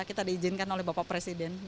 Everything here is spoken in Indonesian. kita diizinkan oleh bapak presiden